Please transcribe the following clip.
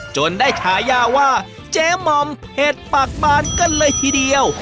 จนได้ฉายาว่าเจ๊มอมเห็ดปากบานกันเลยทีเดียว